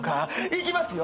いきますよ。